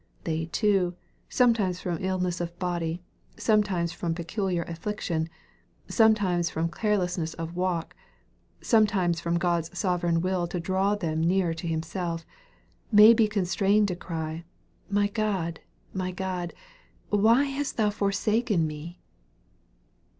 They too, some times from illness of body, sometimes from peculiar affliction, sometimes from carelessness of walk, some times from God's sovereign will to draw them nearer to Himself, may be constrained to cry, " My God, my God, why hast thou forsaken me